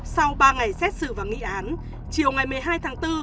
sau ba ngày xét xử và nghị án chiều ngày một mươi hai tháng bốn